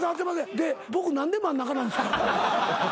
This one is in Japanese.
で僕何で真ん中なんですか？